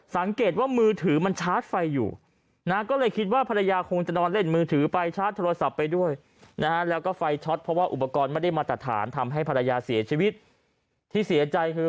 สังเกตว่ามือถือมันชาร์จไฟอยู่ก็เลยคิดว่าภรรยาคงจะนอนเล่นมือถือไป